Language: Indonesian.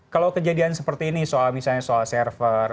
kalau kejadian seperti ini soal misalnya soal server